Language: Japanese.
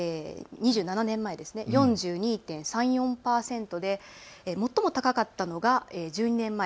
２７年前の４２．３４％で最も高かったのが１２年前